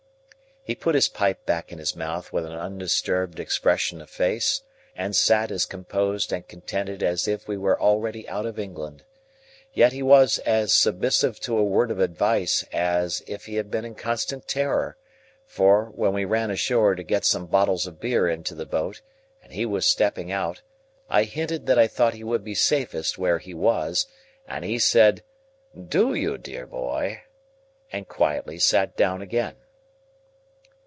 He put his pipe back in his mouth with an undisturbed expression of face, and sat as composed and contented as if we were already out of England. Yet he was as submissive to a word of advice as if he had been in constant terror; for, when we ran ashore to get some bottles of beer into the boat, and he was stepping out, I hinted that I thought he would be safest where he was, and he said. "Do you, dear boy?" and quietly sat down again.